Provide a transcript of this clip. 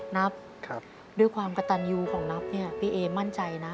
นับด้วยความกระตันยูของนับเนี่ยพี่เอมั่นใจนะ